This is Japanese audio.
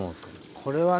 これはね